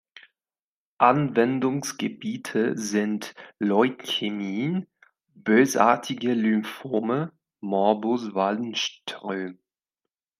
Anwendungsgebiete sind Leukämien, bösartige Lymphome, Morbus Waldenström.